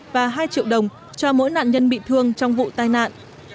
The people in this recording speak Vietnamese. và hai triệu đồng cho mỗi nạn nhân bị thương trong vụ tai nạn